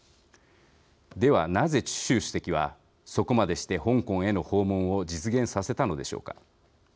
では、なぜ習主席はそこまでして香港への訪問を実現させたのでしょうか。